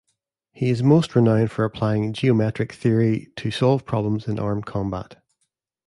He is most renowned for applying geometric theory to solve problems in armed combat.